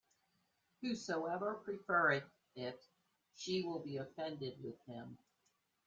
Whosoever prefereth it, she will be offended with him.